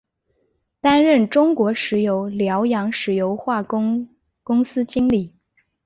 担任中国石油辽阳石油化工公司经理。